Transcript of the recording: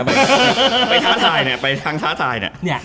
ใบท้าทายเนี่ย